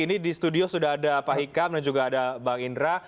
ini di studio sudah ada pak hikam dan juga ada bang indra